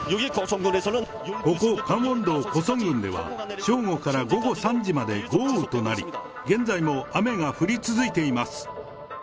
ここ、カンウォン道コソン郡では正午から午後３時まで豪雨となり、現在も雨が降り続いています。